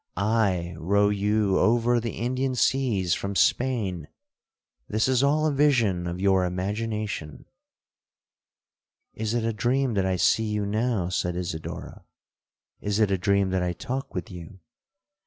I row you over the Indian seas from Spain!—this is all a vision of your imagination.'—'Is it a dream that I see you now?' said Isidora—'is it a dream that I talk with you?